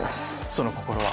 その心は？